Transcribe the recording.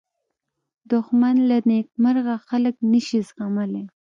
دښمن له نېکمرغه خلک نه شي زغملی